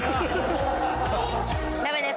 ダメです。